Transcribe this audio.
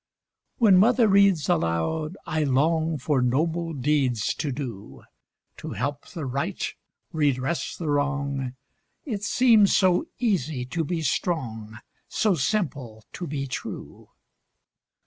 When Mother reads aloud, I long For noble deeds to do— To help the right, redress the wrong; It seems so easy to be strong, So simple to be true.